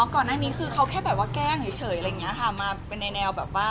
ก่อนหน้านี้คือเขาแค่แกล้งเฉยแบบเราโรคติดใจอะไรอย่างนี้มากกว่าค่ะ